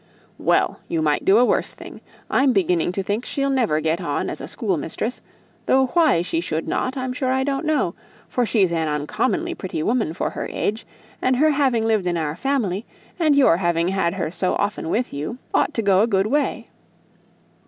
"Well! you might do a worse thing. I'm beginning to think she'll never get on as a schoolmistress, though why she shouldn't, I'm sure I don't know; for she's an uncommonly pretty woman for her age, and her having lived in our family, and your having had her so often with you, ought to go a good way.